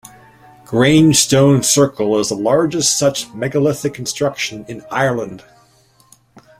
Grange stone circle is the largest such megalithic construction in Ireland.